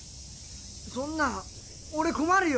そんな俺困るよ。